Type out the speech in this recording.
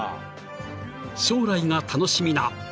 ［将来が楽しみな］